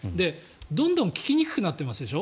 どんどん効きにくくなってますでしょ。